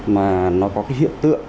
mà nó có cái hiện tượng